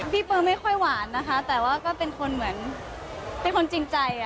เบอร์ไม่ค่อยหวานนะคะแต่ว่าก็เป็นคนเหมือนเป็นคนจริงใจ